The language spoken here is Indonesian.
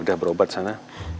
udah berobat sana